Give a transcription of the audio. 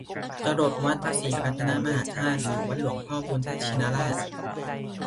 จรดวัดพระศรีรัตนมหาธาตุหรือวัดหลวงพ่อพุทธชินราช